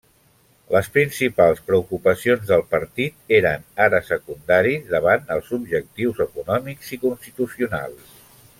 Les principals preocupacions del partit eren ara secundaris davant els objectius econòmics i constitucionals.